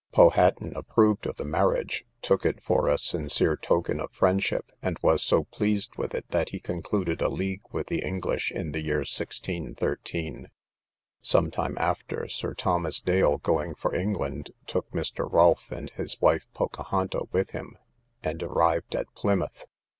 Powhaton approved of the marriage, took it for a sincere token of friendship, and was so pleased with it, that he concluded a league with the English in the year 1613. Some time after, Sir Thomas Dale going for England, took Mr. Rolfe and his wife Pocahonta with him, and arrived at Plymouth.